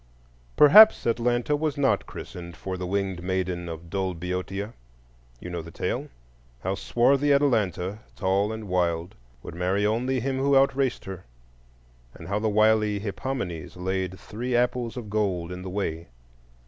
Perhaps Atlanta was not christened for the winged maiden of dull Boeotia; you know the tale,—how swarthy Atalanta, tall and wild, would marry only him who out raced her; and how the wily Hippomenes laid three apples of gold in the way.